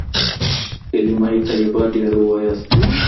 کلمه طیبه ډیره ووایئ.